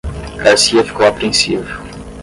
Garcia ficou apreensivo.